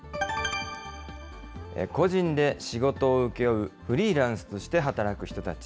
個人で仕事を請け負うフリーランスとして働く人たち。